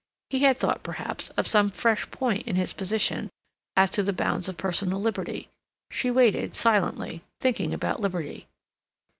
He had thought, perhaps, of some fresh point in his position, as to the bounds of personal liberty. She waited, silently, thinking about liberty.